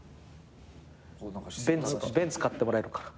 ベンツ買ってもらえるから。